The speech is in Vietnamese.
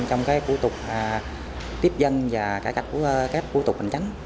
trong cái phủ tục tiếp dân và cải cách phủ tục hành tránh